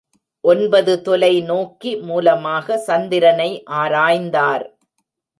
ஒன்பது தொலை நோக்கி மூலமாக சந்திரனை ஆராய்ந்தார்!